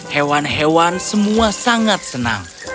hewan hewan semua sangat senang